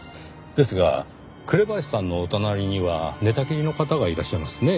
ですが紅林さんのお隣には寝たきりの方がいらっしゃいますね。